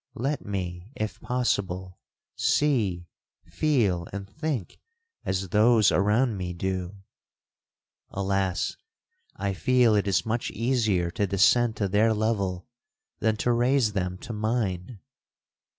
Let me, if possible, see, feel, and think as those around me do! Alas! I feel it is much easier to descend to their level than to raise them to mine.